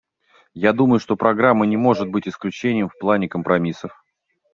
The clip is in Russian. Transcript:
Я думаю, что программа не может быть исключением в плане компромиссов.